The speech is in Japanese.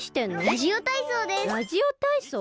ラジオ体操です。